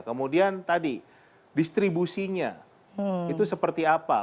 kemudian tadi distribusinya itu seperti apa